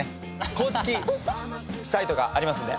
公式サイトがありますんで。